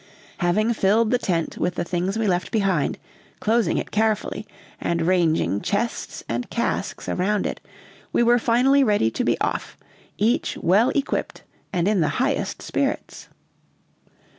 Having filled the tent with the things we left behind, closing it carefully, and ranging chests and casks around it, we were finally ready to be off, each well equipped and in the highest spirits.